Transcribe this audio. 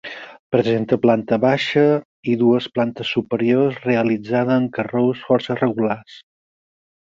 Presenta planta baixa i dues plantes superiors realitzada amb carreus força regulars.